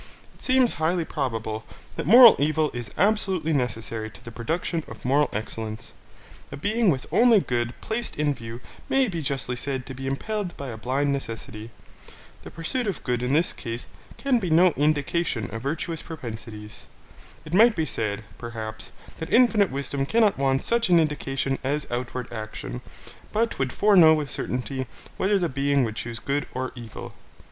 It seems highly probable that moral evil is absolutely necessary to the production of moral excellence. A being with only good placed in view may be justly said to be impelled by a blind necessity. The pursuit of good in this case can be no indication of virtuous propensities. It might be said, perhaps, that infinite Wisdom cannot want such an indication as outward action, but would foreknow with certainly whether the being would choose good or evil.